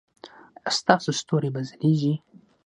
ایا ستاسو ستوري به ځلیږي؟